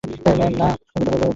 Ma'am, না!